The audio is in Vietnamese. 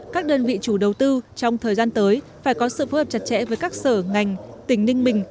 các đơn vị chủ đầu tư trong thời gian tới phải có sự phối hợp chặt chẽ với các sở ngành tỉnh ninh bình